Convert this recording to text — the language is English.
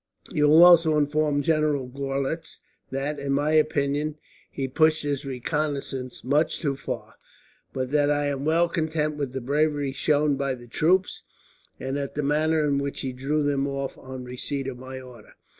You will also inform General Gorlitz that, in my opinion, he pushed his reconnaissance much too far; but that I am well content with the bravery shown by the troops, and at the manner in which he drew them off on receipt of my order."